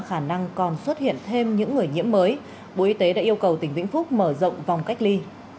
khả năng còn xuất hiện thêm những người nhiễm mới bộ y tế đã yêu cầu tỉnh vĩnh phúc mở rộng vòng cách ly